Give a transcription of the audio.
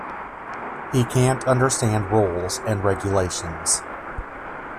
He can’t understand rules and regulations.